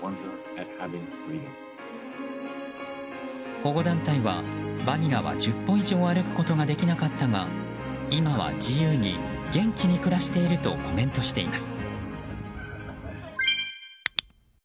保護団体はバニラは１０歩以上歩くことができなかったが今は自由に元気に暮らしているとコメントしています。